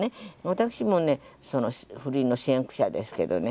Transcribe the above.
私もねその不倫の先駆者ですけどね。